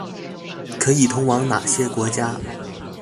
可以通往那些國家